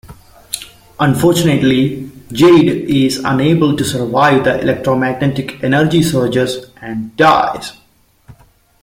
Unfortunately, Jade is unable to survive the electromagnetic energy surges and dies.